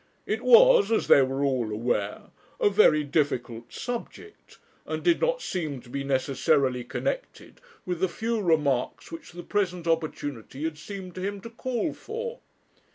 It was, as they were all aware, a very difficult subject, and did not seem to be necessarily connected with the few remarks which the present opportunity had seemed to him to call for.'